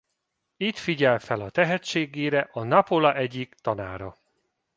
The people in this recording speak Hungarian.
Itt figyel fel a tehetségére a Napola egyik tanára.